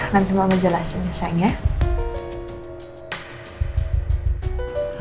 nanti mama jelasin ya sayang ya